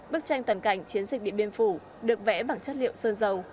bức tranh tần cảnh chiến dịch điện biên phủ được vẽ bằng chất liệu sơn dầu